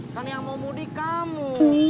kan yang mau mudik kamu